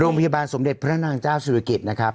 โรงพยาบาลสมเด็จพระนางเจ้าศิริกิจนะครับ